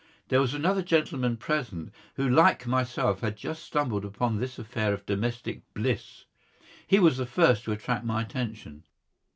There was another gentleman present who like myself had just stumbled upon this affair of domestic bliss. He was the first to attract my attention.